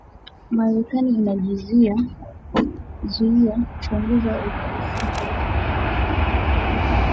Marekani inajizuia kumpongeza rais mteule William Ruto